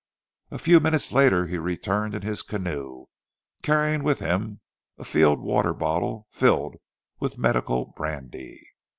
A few minutes later he returned in his canoe, carrying with him a field water bottle filled with medical brandy.